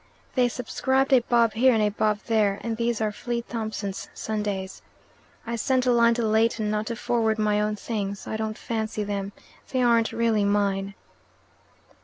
They subscribed a bob here and a bob there, and these are Flea Thompson's Sundays. I sent a line to Leighton not to forward my own things: I don't fancy them. They aren't really mine."